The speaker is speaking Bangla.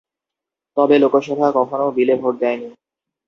তবে লোকসভা কখনও বিলে ভোট দেয়নি।